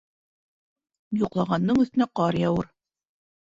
Йоҡлағандың өҫтөнә ҡар яуыр.